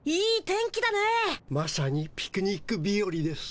まさにピクニックびよりです。